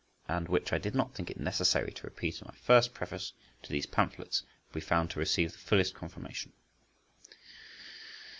and which I did not think it necessary to repeat in my first preface to these pamphlets, will be found to receive the fullest confirmation.